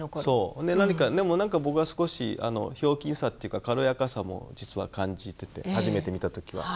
何かでもなんか僕は少しひょうきんさっていうか軽やかさも実は感じてて初めて見た時は。